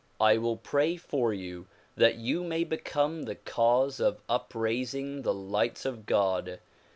I will pray for you that you may become the cause of upraising the lights of God.